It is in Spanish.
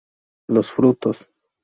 Los frutos.